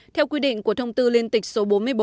theo quy định của thông tư liên tịch số bốn mươi bốn